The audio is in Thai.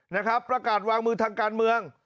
นะครับประกาศวางมือทางการเมือง